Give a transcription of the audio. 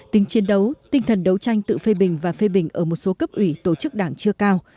tính chiến đấu tinh thần đấu tranh tự phê bình và phê bình ở một số cấp ủy tổ chức đảng chưa cao